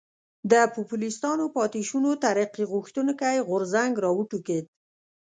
د پوپلستانو پاتې شونو ترقي غوښتونکی غورځنګ را وټوکېد.